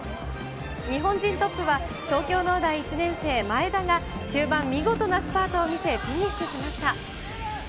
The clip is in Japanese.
日本人トップは、東京農大１年生、前田が終盤、見事なスパートを見せ、フィニッシュしました。